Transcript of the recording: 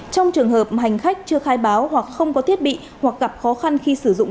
trong trường hợp hành khách chưa khai báo hoặc không có thiết bị hoặc gặp khó khăn khi sử dụng